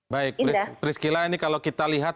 baik priscila ini kalau kita lihat